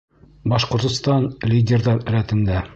Башҡортостан — лидерҙар рәтендә